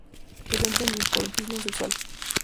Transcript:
Presentan dimorfismo sexual.